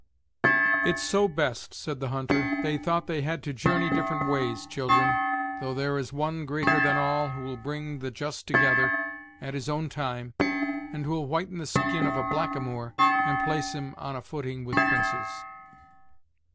"It's so best," said the hunter; "they thought they had to journey different ways, children: though there is One greater than all, who'll bring the just together, at His own time, and who'll whiten the skin of a blackamoor, and place him on a footing with princes."